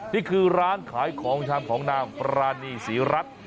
นี่คือร้านขายของชำของนางปรานีศรีรัฐ